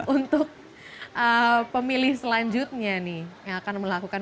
untuk pemilih selanjutnya nih yang akan melakukan